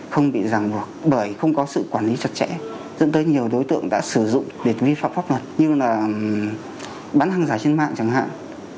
không bị ràng buộc bởi không có sự quản lý chặt chẽ dẫn tới nhiều đối tượng đã sử dụng để vi phạm pháp luật như là bán hàng giả trên mạng chẳng hạn